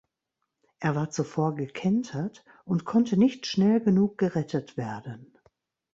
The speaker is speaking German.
Er war zuvor gekentert und konnte nicht schnell genug gerettet werden.